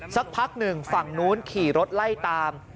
สักพักหนึ่งฝั่งนู้นขี่รถไล่ตาม